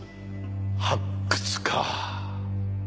発掘か。